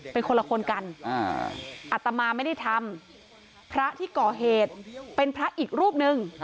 เป็นคนละคนกันอัตมาไม่ได้ทำพระที่ก่อเหตุเป็นพระอีกรูปหนึ่ง